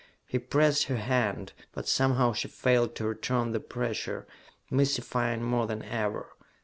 He pressed her hand, but somehow she failed to return the pressure, mystifying more than ever.